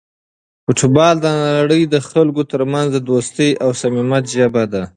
فوټبال د نړۍ د خلکو ترمنځ د دوستۍ او صمیمیت ژبه ده.